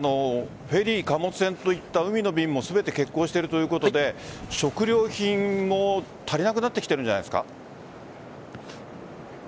フェリー、貨物船といった海の便も全て欠航しているということで食料品も足りなくなってきているんじゃないですか。